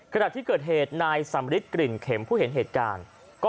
ขณะที่เกิดเหตุนายสำริทกลิ่นเข็มผู้เห็นเหตุการณ์